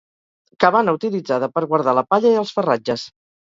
Cabana utilitzada per guardar la palla i els ferratges.